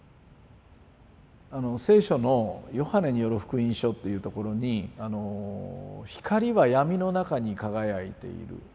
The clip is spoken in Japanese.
聖書の「ヨハネによる福音書」っていうところに「光はやみの中に輝いている」